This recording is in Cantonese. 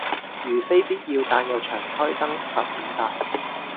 如非必要但又長開燈，罰五百